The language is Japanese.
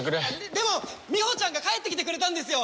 でもみほちゃんが帰ってきてくれたんですよ！